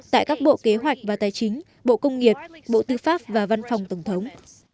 tại các bộ kế hoạch và tài chính bộ công nghiệp bộ tư pháp và văn phòng tổng thống